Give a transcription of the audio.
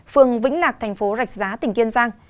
phường vĩnh lạc thành phố rạch giá tỉnh kiên giang